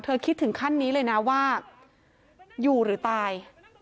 คิดถึงขั้นนี้เลยนะว่าอยู่หรือตาย